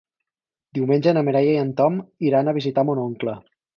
Diumenge na Mireia i en Tom iran a visitar mon oncle.